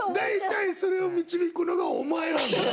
大体それを導くのがお前なんだよ。